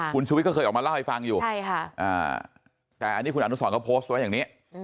คุณชุวิตก็เคยออกมาเล่าให้ฟังอยู่แต่อันนี้คุณอนุสรเขาโพสต์ไว้อย่างนี้